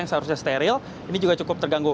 karena itu sudah steril ini juga cukup terganggu